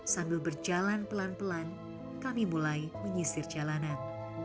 sambil berjalan pelan pelan kami mulai menyisir jalanan